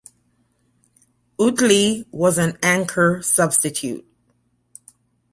Utley was an anchor substitute.